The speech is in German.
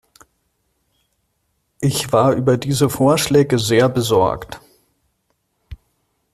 Ich war über diese Vorschläge sehr besorgt.